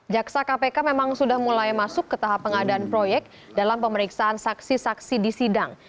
jaksa kpk memang sudah mulai masuk ke tahap pengadaan proyek dalam pemeriksaan saksi saksi di sidang